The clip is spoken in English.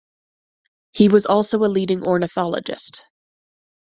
He was also a leading ornithologist.